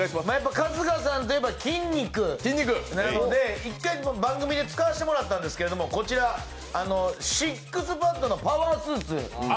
春日さんといえば筋肉なので、１回、番組で使わせてもらったんですけどＳＩＸＰＡＤのパワースーツ。